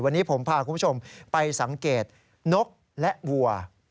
วันนี้ผมพาคุณผู้ชมไปสังเกตนกและวัว